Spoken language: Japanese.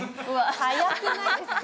早くないですか？